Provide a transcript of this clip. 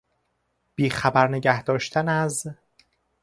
بیخبر نگهداشتن از